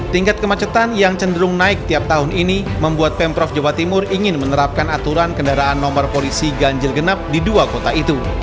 tingkat kemacetan yang cenderung naik tiap tahun ini membuat pemprov jawa timur ingin menerapkan aturan kendaraan nomor polisi ganjil genap di dua kota itu